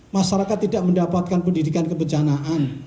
masyarakat tidak mendapatkan pendidikan kebencanaan